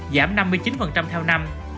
giảm năm mươi chín theo năm